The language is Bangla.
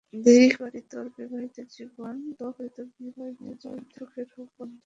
দোয়া করি, তোর বিবাহিত জীবন সুখের হউক, বন্ধু!